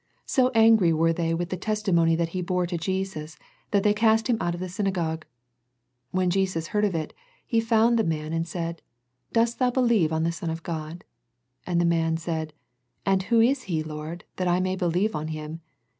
So angry were they with the testimony that he bore to Jesus, that they cast him out of the synagogue. When Jesus heard of it, He found the man and said " Dost thou believe on the Son of God? " And the man said, " And Who is He, Lord, that I may beHeve on Him